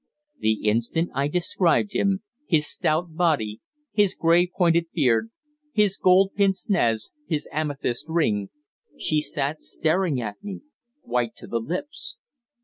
The instant I described him his stout body, his grey pointed beard, his gold pince nez, his amethyst ring she sat staring at me, white to the lips.